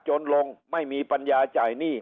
จนลงไม่มีปัญญาจ่ายหนี้